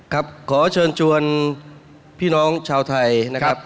ขอเชิญชวนพี่น้องชาวไทยนะครับ